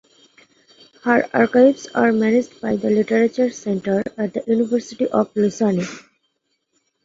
Her archives are managed by the literature center at the University of Lausanne.